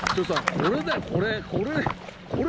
これだよこれ！